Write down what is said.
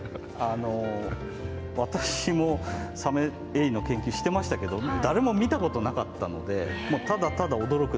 私もサメエイの研究してましたけど誰も見たことなかったのでただただ驚くだけ。